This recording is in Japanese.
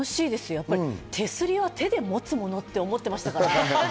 やっぱり手すりは手で持つものと思ってましたから。